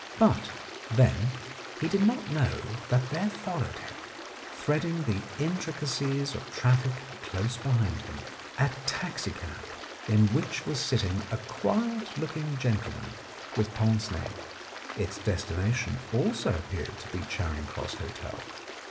But, then, he did not know that there followed him, threading the intri cacies of traffic close behind him, a taxicab in which was sitting a quiet looking gentleman with pince nez. Its destination also appeared to be Charing Cross Hotel.